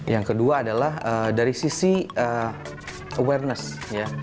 yang kedua adalah dari sisi awareness ya